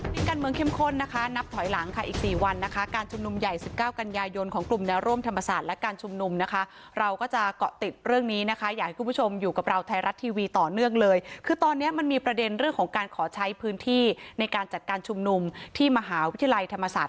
นี่การเมืองเข้มข้นนะคะนับถอยหลังค่ะอีก๔วันนะคะการชุมนุมใหญ่สิบเก้ากันยายนของกลุ่มแนวร่วมธรรมศาสตร์และการชุมนุมนะคะเราก็จะเกาะติดเรื่องนี้นะคะอยากให้คุณผู้ชมอยู่กับเราไทยรัฐทีวีต่อเนื่องเลยคือตอนนี้มันมีประเด็นเรื่องของการขอใช้พื้นที่ในการจัดการชุมนุมที่มหาวิทยาลัยธรรมศาสตร์